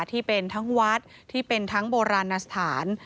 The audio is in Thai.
ที่เป็นทั้งวัดที่เป็นทั้งโบราณสถาน